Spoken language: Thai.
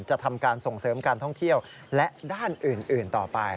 จะทำการส่งเสริมการท่องเที่ยวและด้านอื่นต่อไป